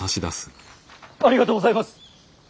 ありがとうございます！